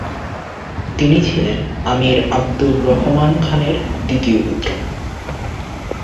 তিনি ছিলেন আমির আবদুর রহমান খানের দ্বিতীয় পুত্র।